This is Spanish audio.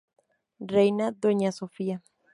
Reina Doña Sofia.